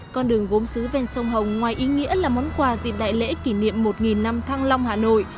con đường gốm xứ ven sông hồng ngoài ý nghĩa là món quà dịp đại lễ kỷ niệm một năm thăng long hà nội